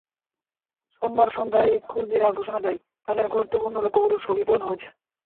সোমবার সন্ধ্যায় কুর্দিরা ঘোষণা দেয়, তাদের গুরুত্বপূর্ণ লক্ষ্যগুলোর সবই পূরণ হয়েছে।